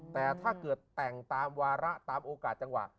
แต่ถ้าเกิดแต่งตามวาระตามโอกาสจังหวะ